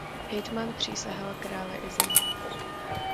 Hejtman přísahal králi i zemi.